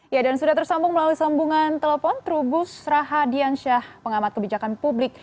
ya dan sudah tersambung melalui sambungan telepon trubus rahadiansyah pengamat kebijakan publik